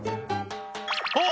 あ！